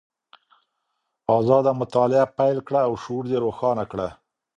ازاده مطالعه پیل کړه او شعور دې روښانه کړه.